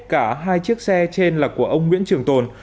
cả hai chiếc xe trên là của ông nguyễn trường tồn